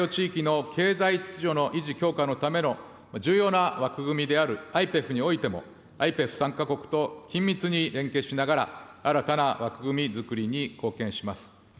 インド太平洋地域の経済秩序の維持・強化のための重要な枠組みであるＩＰＥＦにおいても、ＩＰＥＦ参加国と連携しながら、新たな枠組み作りに貢献します。